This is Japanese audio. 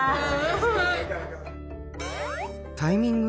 タイミング？